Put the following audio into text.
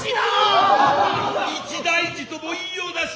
一大事とも言ひやうなし。